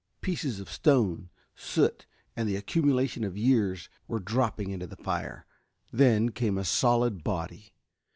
Pieces of stone, soot, the accumulation of years, were dropping into the fire. Then came a solid body.